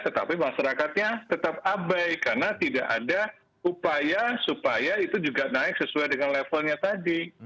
tetapi masyarakatnya tetap abai karena tidak ada upaya supaya itu juga naik sesuai dengan levelnya tadi